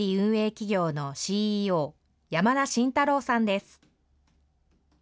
企業のＣＥＯ、山田進太郎さんです。